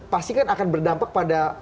pasti kan akan berdampak pada